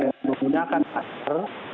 dan menggunakan pasir